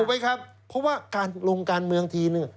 ตกไปเพราะว่าการโรงการเมืองที